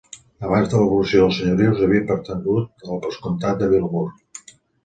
Abans de l'abolició dels senyorius, havia pertangut al Vescomtat de Vilamur.